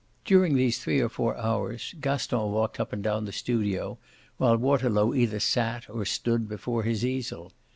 During these three or four hours Gaston walked up and down the studio while Waterlow either sat or stood before his easel.